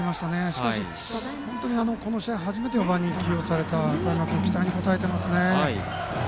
しかし、この試合初めて４番に起用された箱山君期待に応えていますね。